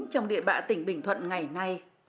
trong địa bạ tỉnh bình thuận ngày nay